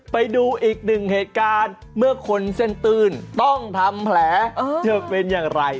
ไปดูอีกหนึ่งเหตุการณ์เมื่อคนเส้นตื้นต้องทำแผลเธอเป็นอย่างไร